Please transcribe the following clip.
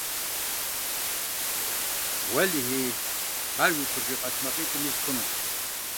Уэлэхьи, ар уи куржы къэлътмакъитӀым из хъунум.